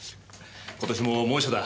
今年も猛暑だ。